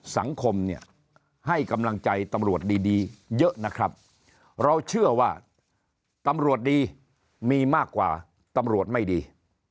สังคมเนี่ยให้กำลังใจตำรวจดีเยอะนะครับเราเชื่อว่าตำรวจดีมีมากกว่าตำรวจไม่ดี